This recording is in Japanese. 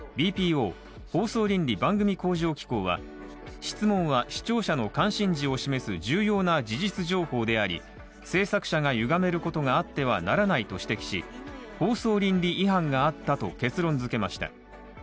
ＢＰＯ＝放送倫理・番組向上機構は質問は視聴者の関心事を示す重要な事実条項であり、制作者がゆがめることがあってはならないと指摘し放送倫理違反があったと結論づけました。